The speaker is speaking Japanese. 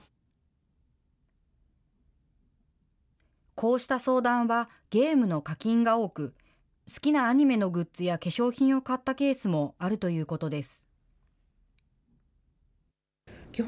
こうした相談は、ゲームの課金が多く、好きなアニメのグッズや化粧品を買ったケースもあるということです。